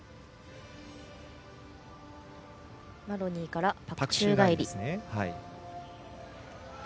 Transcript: マロニーからパク宙返り。